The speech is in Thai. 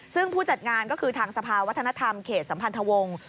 ซึ่งผู้จัดงานก็คือทางสภาวัฒนธรรมเขตสัมพันธวงศ์